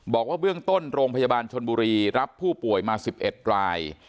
บอกว่าเบื้องต้นโรงพยาบาลชนบุรีรับผู้ป่วยมา๑๑ราย